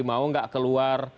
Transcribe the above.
mau gak keluar